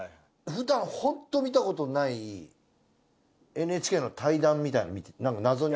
ふだんホント見たことないＮＨＫの対談みたいの謎に。